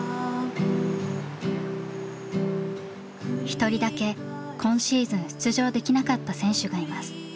一人だけ今シーズン出場できなかった選手がいます。